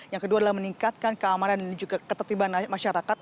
yang kedua adalah meningkatkan keamanan dan juga ketertiban masyarakat